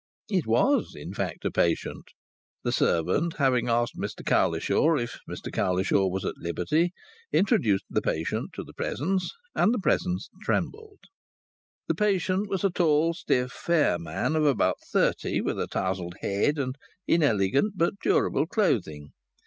It was, in fact, a patient. The servant, having asked Mr Cowlishaw if Mr Cowlishaw was at liberty, introduced the patient to the Presence, and the Presence trembled. The patient was a tall, stiff, fair man of about thirty, with a tousled head and inelegant but durable clothing.